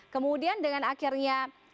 kemudian dengan akhirnya